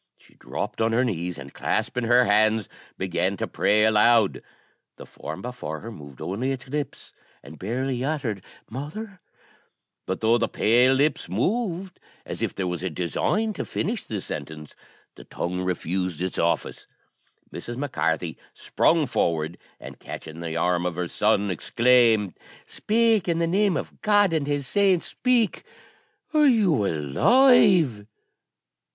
She dropped on her knees, and, clasping her hands, began to pray aloud. The form before her moved only its lips, and barely uttered "Mother"; but though the pale lips moved, as if there was a design to finish the sentence, the tongue refused its office. Mrs. Mac Carthy sprung forward, and catching the arm of her son, exclaimed, "Speak! in the name of God and His saints, speak! are you alive?"